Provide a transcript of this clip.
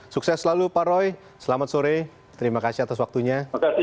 sukses selalu pak roy selamat sore terima kasih atas waktunya